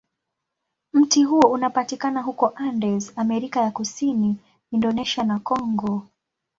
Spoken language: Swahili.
Mti huo unapatikana huko Andes, Amerika ya Kusini, Indonesia, na Kongo.